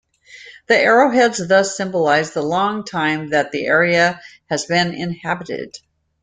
The arrowheads thus symbolize the long time that the area has been inhabited.